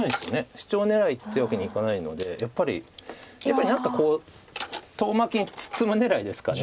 シチョウ狙いってわけにはいかないのでやっぱりこう遠巻きに包む狙いですか。